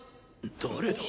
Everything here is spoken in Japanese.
誰だ？